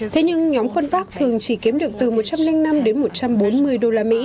thế nhưng nhóm khuân pháp thường chỉ kiếm được từ một trăm linh năm đến một trăm bốn mươi usd